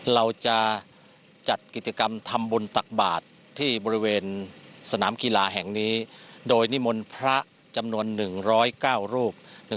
เราจะจัดกิจกรรมทำบุญตักบาทที่บริเวณสนามกีฬาแห่งนี้โดยนิมนต์พระจำนวน๑๐๙รูป